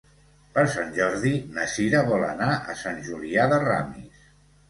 Per Sant Jordi na Cira vol anar a Sant Julià de Ramis.